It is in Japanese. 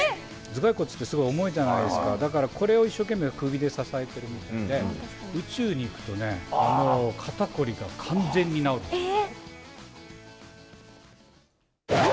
頭蓋骨ってすごい重いじゃないですか、だからこれを一生懸命、首で支えているみたいで、宇宙に行くとね、肩凝りが完全に治るんですよね。